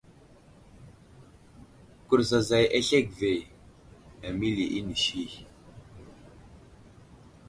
Kurzazay aslege ve ,aməli inisi.